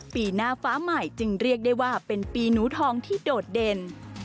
ปีหน้าฟ้าใหม่จึงเรียกได้ว่าเป็นปีหนูทองที่โดดเด่น